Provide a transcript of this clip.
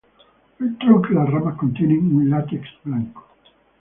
El tronco y las ramas contienen un látex blanco.